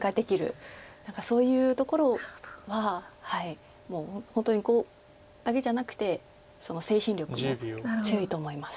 何かそういうところはもう本当に碁だけじゃなくて精神力も強いと思います。